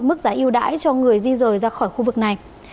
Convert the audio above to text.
mức giá yêu đãi cho người di rời ra khỏi khu vực này